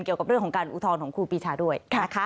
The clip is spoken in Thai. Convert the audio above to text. เกี่ยวกับเรื่องของการอุทธรณ์ของครูปีชาด้วยนะคะ